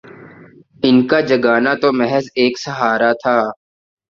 ان کا جگانا تو محض ایک سہارا تھا